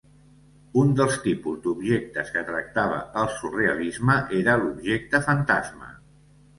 Un dels tipus d'objectes que tractava el surrealisme era l'objecte fantasma.